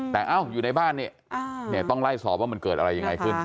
แต่อยู่ในบ้านนี่ต้องไล่สอบว่ามันเกิดอะไรยังไงขึ้น